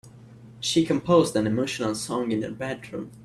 She composed an emotional song in her bedroom.